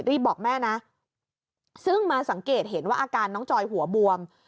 รีบบอกแม่นะซึ่งมาสังเกตเห็นว่าอาการน้องจอยหัวบวม